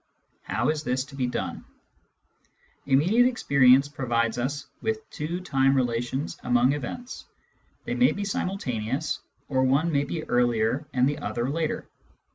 How is this to be done ? Immediate experience provides us with two time relations among events : they may be simultaneous, or one may be earlier and the other later.